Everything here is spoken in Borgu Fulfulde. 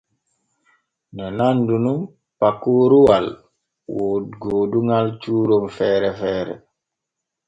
Ne nandu nun pakoroowal gooduŋal cuuron feere feere.